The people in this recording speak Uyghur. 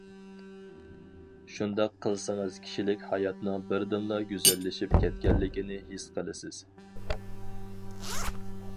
شۇنداق قىلسىڭىز كىشىلىك ھاياتنىڭ بىردىنلا گۈزەللىشىپ كەتكەنلىكىنى ھېس قىلىسىز.